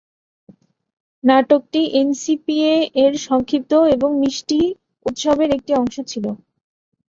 নাটকটি এনসিপিএ-এর সংক্ষিপ্ত এবং মিষ্টি উৎসবের একটি অংশ ছিল।